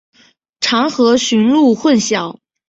常和驯鹿混淆。